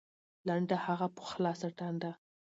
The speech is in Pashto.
لنډه هغه په خلاصه ټنډه